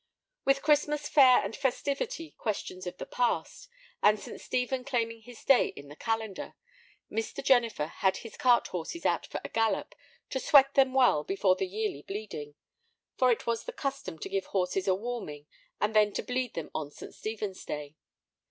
With Christmas fare and festivity questions of the past, and St. Stephen claiming his day in the calendar, Mr. Jennifer had his cart horses out for a gallop to sweat them well before the yearly bleeding, for it was the custom to give horses a warming and then to bleed them on St. Stephen's day.